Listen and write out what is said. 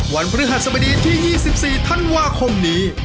พฤหัสบดีที่๒๔ธันวาคมนี้